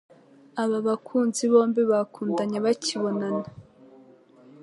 Aba bakunzi bombi bakundanye bakibonana